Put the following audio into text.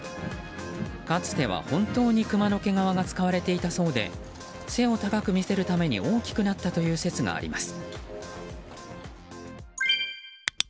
かつては本当にクマの毛皮が使われていたそうで背を高く見せるために大きくなったという説があります。